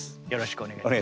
お願いします。